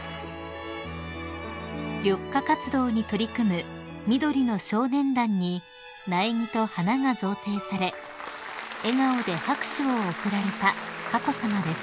［緑化活動に取り組む緑の少年団に苗木と花が贈呈され笑顔で拍手を送られた佳子さまです］